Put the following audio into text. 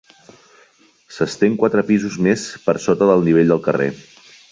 S'estén quatre pisos més per sota del nivell del carrer.